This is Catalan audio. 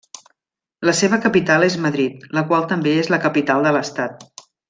La seva capital és Madrid, la qual també és la capital de l'Estat.